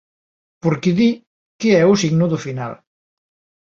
Porque di que é o signo do final.